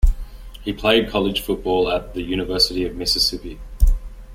He played college football at the University of Mississippi.